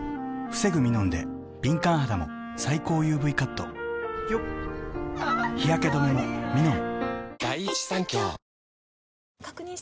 防ぐミノンで敏感肌も最高ＵＶカット日焼け止めもミノン！